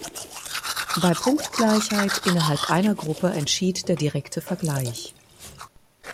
Bei Punktgleichheit innerhalb einer Gruppe entschied der direkte Vergleich.